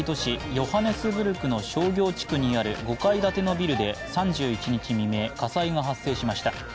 ヨハネスブルグの商業地区にある５階建てのビルで３１日未明、火災が発生しました。